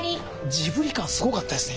ジブリ感すごかったですね